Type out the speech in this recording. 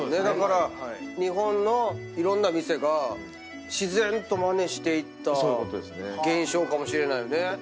だから日本のいろんな店が自然とまねしていった現象かもしれないよね。